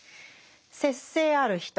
節制ある人